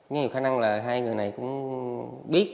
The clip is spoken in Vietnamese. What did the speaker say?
nhiều khả năng là hai người này cũng biết